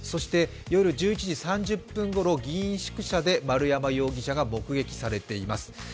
夜１１時３０分ごろ議員宿舎で丸山容疑者が目撃されています。